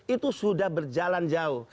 itu sudah berjalan jauh